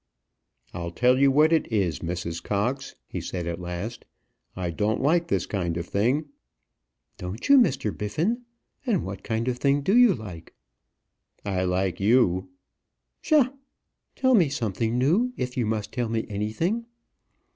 "I'll tell you what it is, Mrs. Cox," he said at last, "I don't like this kind of thing." "Don't you, Mr. Biffin? And what kind of thing do you like?" "I like you." "Psha! Tell me something new, if you must tell me anything."